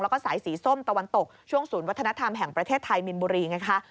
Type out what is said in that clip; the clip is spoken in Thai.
แล้วก็สายสีส้มตะวันตกช่วงศูนย์วัฒนธรรมแห่งประเทศไทยมินบุรีไงคะ